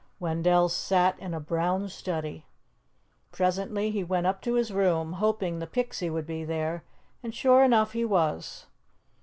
Wendell sat in a brown study. Presently, he went up to his room, hoping the Pixie would be there, and sure enough, he was.